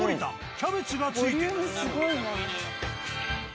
キャベツが付いてくる。